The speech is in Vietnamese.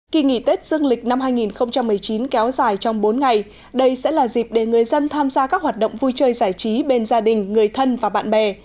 kỳ nghỉ tết dương lịch năm hai nghìn một mươi chín kéo dài trong bốn ngày đây sẽ là dịp để người dân tham gia các hoạt động vui chơi giải trí bên gia đình người thân và bạn bè